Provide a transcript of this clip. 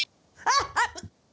あっ！